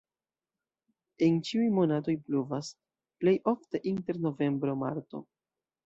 En ĉiuj monatoj pluvas, plej ofte inter novembro-marto.